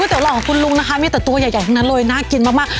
ก๋วยเตี๋ยวหลอดของคุณลุงนะคะมีแต่ตัวใหญ่ใหญ่ทั้งนั้นเลยน่ากินมากมาก